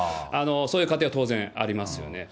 そういう家庭は当然ありますよね。